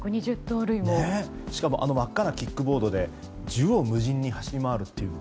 しかも、あの真っ赤なキックボードで縦横無尽に走り回ると。